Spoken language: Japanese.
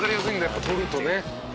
やっぱ撮るとね」